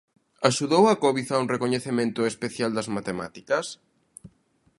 Axudou a Covid a un recoñecemento especial das matemáticas?